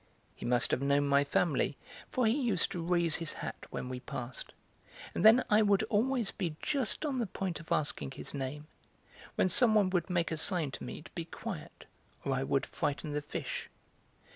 He must have known my family, for he used to raise his hat when we passed; and then I would always be just on the point of asking his name, when some one would make a sign to me to be quiet, or I would frighten the fish.